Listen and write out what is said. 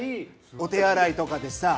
お手洗いとかでさ。